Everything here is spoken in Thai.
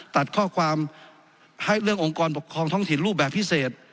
ตัดข้อความให้เรื่ององค์กรปกครองท้องถิ่นรูปแบบพิเศษ